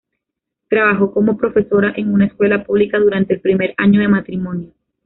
Trabajó como profesora en una escuela pública durante el primer año de matrimonio.